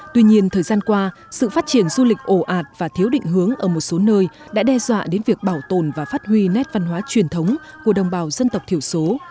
tuy nhiên thời gian qua sự phát triển du lịch ổ ạt và thiếu định hướng ở một số nơi đã đe dọa đến việc bảo tồn và phát huy nét văn hóa truyền thống của đồng bào dân tộc thiểu số